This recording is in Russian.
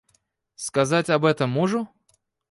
Сказать об этом мужу?